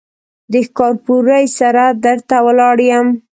د ښکارپورۍ سره در ته ولاړ يم.